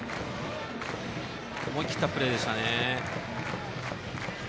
思いきったプレーでしたね。